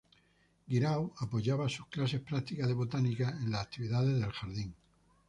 Guirao apoyaba sus clases prácticas de botánica en las actividades del jardín.